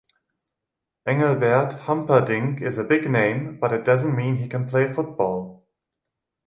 Engelbert Humperdinck is a big name but it doesn't mean he can play football.